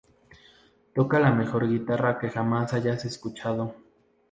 Toca la mejor guitarra que jamás hayas escuchado.